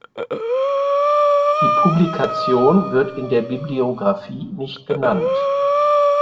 Die Publikation wird in der Bibliographie nicht genannt.